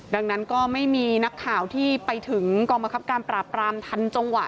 ดังนั้นก็ไม่มีนักข่าวที่ไปถึงกองบังคับการปราบรามทันจังหวะ